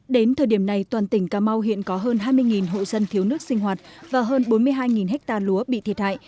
đến thời điểm này toàn tỉnh cà mau hiện có hơn hai mươi hộ dân thiếu nước sinh hoạt và hơn bốn mươi hai ha lúa bị thiệt hại